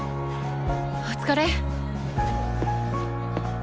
お疲れっ！